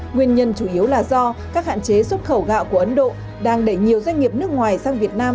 nguyên nhân chủ yếu là do các hạn chế xuất khẩu gạo của ấn độ đang để nhiều doanh nghiệp nước ngoài sang việt nam